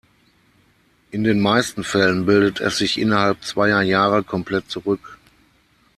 In den meisten Fällen bildet es sich innerhalb zweier Jahre komplett zurück.